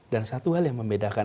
dan satu hal yang membedakan